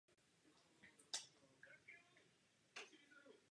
Jak je patrné, vybrat jej bylo správným rozhodnutím.